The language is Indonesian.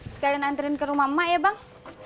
sekarang antri ke rumah mak ya bang